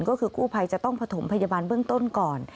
ก็คือกู้ภัยจะต้องผสมพยาบาลเบื้องต้นก่อน